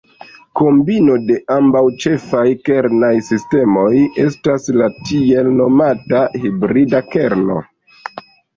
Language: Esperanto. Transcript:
Kombino de ambaŭ ĉefaj kernaj sistemoj estas la tiel nomata "hibrida kerno".